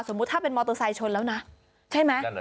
สมมุติถ้าเป็นมอเตอร์ไซด์ชนแล้วนะใช่มั้ย